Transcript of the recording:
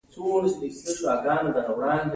نو پۀ ملا زور نۀ راځي او ملا نۀ خرابيږي -